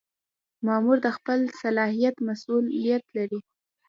مامور د خپل صلاحیت مسؤلیت لري.